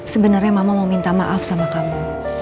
sebenarnya mama mau minta maaf sama kamu